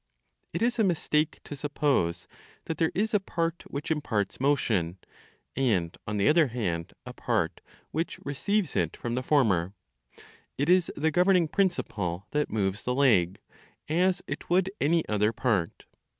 It is a mistake to suppose that there is a part which imparts motion, and on the other hand, a part which receives it from the former; it is the governing principle that moves the leg, as it would any other part.